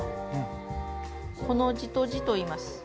コの字とじといいます。